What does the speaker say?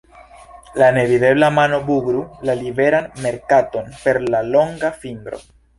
La Nevidebla Mano bugru la Liberan Merkaton per la longa fingro!